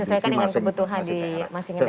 disesuaikan dengan kebutuhan di masing masing daerah